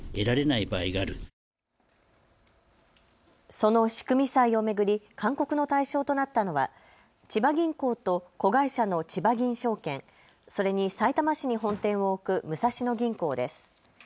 その仕組み債を巡り勧告の対象となったのは千葉銀行と子会社のちばぎん証券、それにさいたま市に本店を置く武蔵野銀行です。